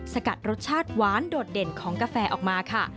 สกัดรสชาติหวานโดดเด่นของกาแฟออกมาค่ะ